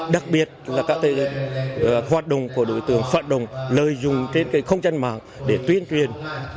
đặc biệt là các hoạt động của đối tượng phản động lợi dụng trên không gian mạng để tuyên truyền